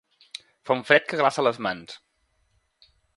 Fa un fred que glaça les mans.